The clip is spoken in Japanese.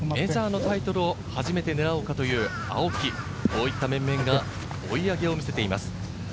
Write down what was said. メジャーのタイトルを初めて狙おうかという青木、こういった面々が追い上げを見せています。